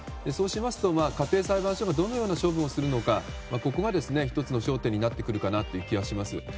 そうしますと、家庭裁判所がどのような処分をするのかここが１つの焦点になってくるかという気がします。